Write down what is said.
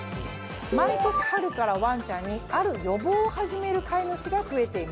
毎年春からワンちゃんにある予防を始める飼い主が増えています。